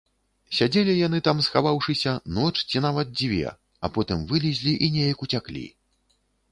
Сядзелі яны там, схаваўшыся, ноч ці нават дзве, а потым вылезлі і неяк уцяклі.